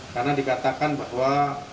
karena dikatakan bahwa